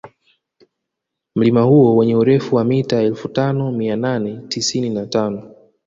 Mlima huo wenye urefu wa mita elfu tano mia nane tisini na tano